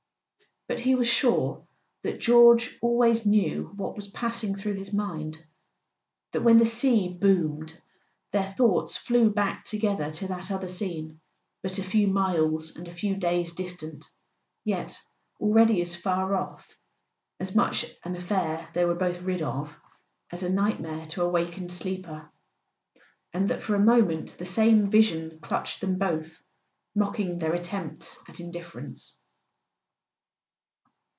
But he was sure that George always knew what was passing through his mind; that when the sea boomed their thoughts flew back together to that other scene, but a few miles and a few days distant, yet already as far off, as much an affair they were both rid of, as a nightmare to a wakened sleeper; and that for a mo¬ ment the same vision clutched them both, mocking their attempts at indifference.